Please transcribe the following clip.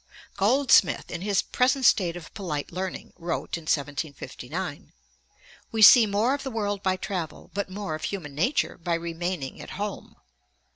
Goldsmith, in his Present State of Polite Learning, ch. xiii, wrote in 1759: 'We see more of the world by travel, but more of human nature by remaining at home....